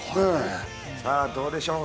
さぁ、どうでしょう？